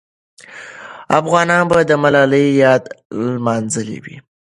افغانان به د ملالۍ یاد لمانځلې وي.